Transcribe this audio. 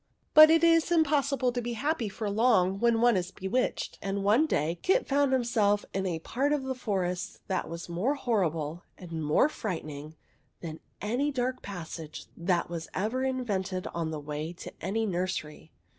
But it is impossible to be happy for long when one is bewitched; and, one day, Kit found himself in a part of the forest that was more horrible and more frightening than any dark passage that was ever invented on the way to any nursery.